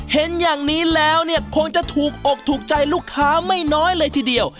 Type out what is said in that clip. เห็นอย่างนี้แล้วเนี่ยคงจะถูกอกถูกใจลูกค้าไม่น้อยเลยทีเดียว